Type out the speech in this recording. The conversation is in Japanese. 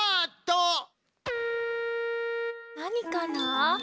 なにかな？